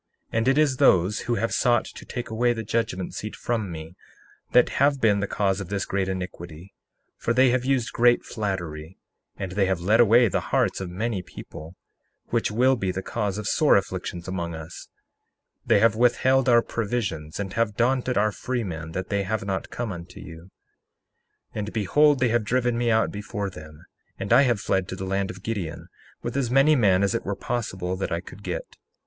61:4 And it is those who have sought to take away the judgment seat from me that have been the cause of this great iniquity; for they have used great flattery, and they have led away the hearts of many people, which will be the cause of sore affliction among us; they have withheld our provisions, and have daunted our freemen that they have not come unto you. 61:5 And behold, they have driven me out before them, and I have fled to the land of Gideon, with as many men as it were possible that I could get.